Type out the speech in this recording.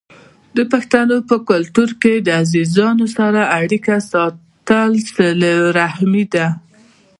د پښتنو په کلتور کې د عزیزانو سره اړیکه ساتل صله رحمي ده.